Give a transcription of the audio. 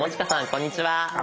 こんにちは。